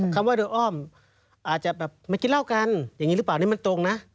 คำว่าโดยอ้อมอาจจะแบบมากินเหล้ากันอย่างนี้หรือเปล่านี่มันตรงนะ